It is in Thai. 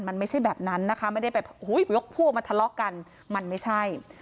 มันไม่ใช่แบบนั้นนะคะไม่ได้แบบยกพวกมาทะเลาะกันมันไม่ใช่